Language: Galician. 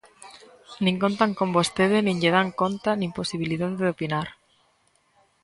Nin contan con vostede nin lle dan conta nin posibilidade de opinar.